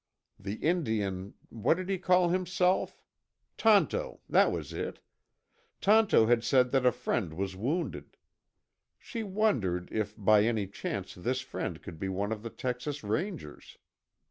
The Indian what did he call himself? Tonto that was it. Tonto had said that a friend was wounded. She wondered if by any chance this friend could be one of the Texas Rangers.